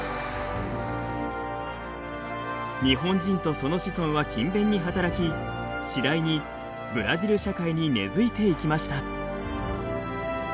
日本人とその子孫は勤勉に働き次第にブラジル社会に根づいていきました。